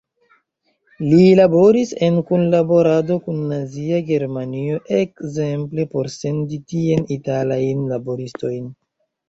Li laboris en kunlaborado kun Nazia Germanio ekzemple por sendi tien italajn laboristojn.